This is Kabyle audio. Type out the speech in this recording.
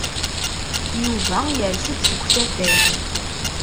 Yuba yers-d seg usafag.